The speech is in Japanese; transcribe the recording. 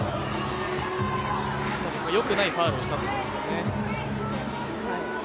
よくないファウルをしたということですね。